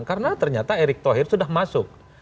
karena ternyata erick thohir sudah masuk